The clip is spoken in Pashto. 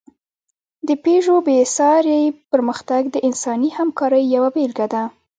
د پيژو بېساری پرمختګ د انساني همکارۍ یوه بېلګه ده.